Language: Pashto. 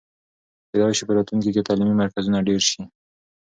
کېدای سي په راتلونکي کې تعلیمي مرکزونه ډېر سي.